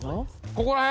ここら辺？